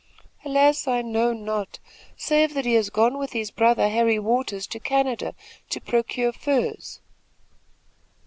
"Alas, I know not, save that he has gone with his brother Harry Waters to Canada to procure furs."